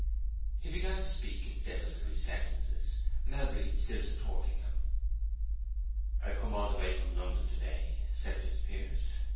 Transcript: He began to speak in desultory sentences, Melbury still supporting him. "I've come all the way from London to day," said Fitzpiers.